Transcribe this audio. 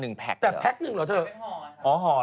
นับของผมเป็นตุ๊ดขึ้นทุกวัน